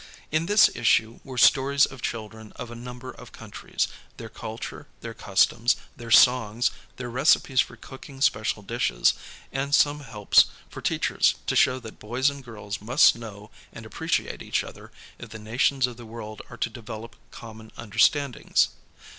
"' In this issue were stories of children of a number of countries, their culture, their customs, their songs, their recipes for cooking special dishes, and some helps for teachers to show that boys and girls must know and appreciate each other if the nations of the world are to develop common understandings.